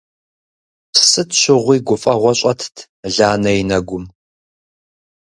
Сыт щыгъуи гуфӀэгъуэ щӀэтт Ланэ и нэгум.